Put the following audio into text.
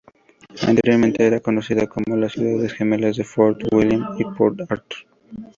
Anteriormente era conocida como "las ciudades gemelas de "Fort William" y "Port Arthur"".